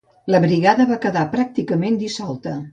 La Brigada va quedar pràcticament dissolta.